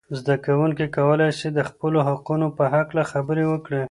زده کوونکي کولای سي د خپلو حقونو په هکله خبرې وکړي.